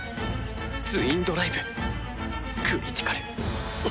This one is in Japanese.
ツインドライブクリティカル。